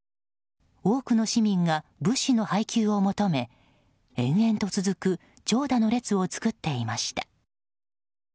多くの市民が物資の配給を求め延々と続く長蛇の列を作っていました。